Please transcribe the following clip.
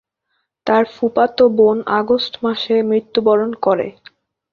তার ফুফাতো বোন আগস্ট মাসে মৃত্যুবরণ করে।